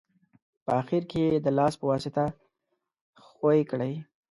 په اخیر کې یې د لاس په واسطه ښوي کړئ.